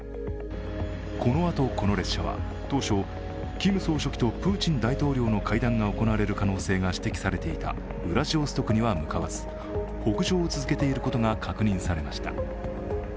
このあと、この列車は当初キム総書記とプーチン大統領の会談が行われる可能性が指摘されていたウラジオストクには向かわず、北上を続けていることが確認されました。